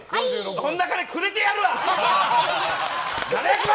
そんな金、くれてやるわ！